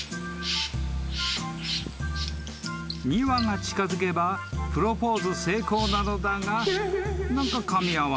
［２羽が近づけばプロポーズ成功なのだが］